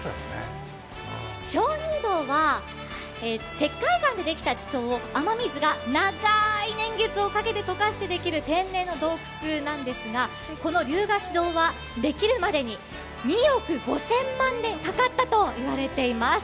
鍾乳洞は石灰岩でできた地層を雨水が長い年月をかけてできる天然の洞窟なんですが、この竜ヶ岩洞は、できるまでに２億５０００万年かかったといわれています。